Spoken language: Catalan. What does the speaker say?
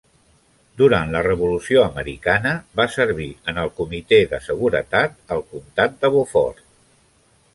Durant la Revolució Americana, va servir en el comitè de seguretat al comtat de Beaufort.